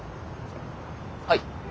はい？